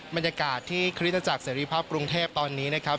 บรรยากาศที่คริสตจักรเสรีภาพกรุงเทพตอนนี้นะครับ